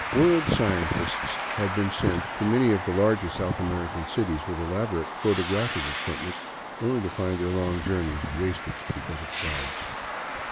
World scientists had been sent to many of the larger South American cities with elaborate photographic equipment, only to find their long journeys wasted because of clouds.